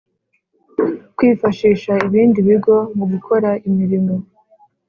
kwifashisha ibindi bigo mu gukora imirimo